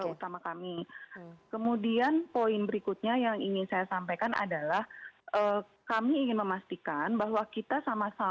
utama kami kemudian poin berikutnya yang ingin saya sampaikan adalah kami ingin memastikan bahwa kita sama sama